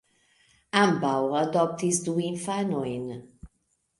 Ambaŭ adoptis du infanojn.